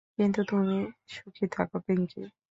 কিন্তু তুমি সুখী থাকো, পিংকী।